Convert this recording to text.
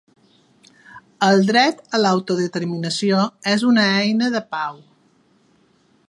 El dret a l'autodeterminació és una eina de pau.